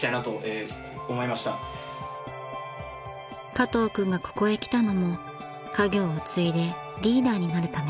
［加藤君がここへ来たのも家業を継いでリーダーになるため］